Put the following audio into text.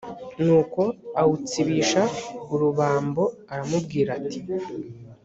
nuko awutsibisha urubambo aramubwira ati